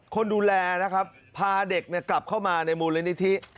คนดูแลนะครับพาเด็กกลับเข้ามาในมูลนิธิ